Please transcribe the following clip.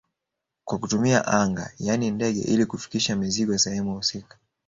Kwa kutumia anga yani ndege ili kufikisha mizigo sehemu husika